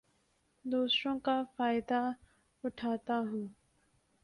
دوسروں کا فائدہ اٹھاتا ہوں